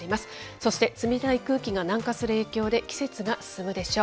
そして冷たい空気が南下する影響で、季節が進むでしょう。